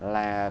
là khó khăn